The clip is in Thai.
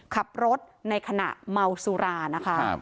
ขับรถในขณะเมาสุรานะคะ